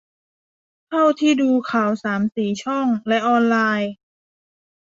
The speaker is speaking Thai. เท่าที่ดูข่าวสามสี่ช่องและออนไลน์